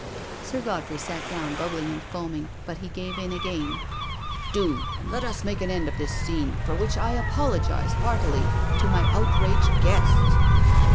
Sir Godfrey sat down bubbling and foaming, but he gave in again :" Do, and let us make an end of this scene, for which I apologise heartily to my outraged guests."